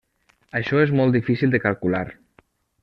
Això és molt difícil de calcular.